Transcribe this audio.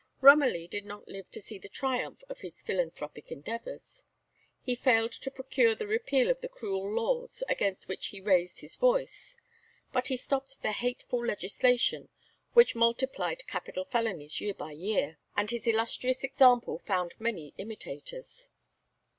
Romilly did not live to see the triumph of his philanthropic endeavours. He failed to procure the repeal of the cruel laws against which he raised his voice, but he stopped the hateful legislation which multiplied capital felonies year by year, and his illustrious example found many imitators.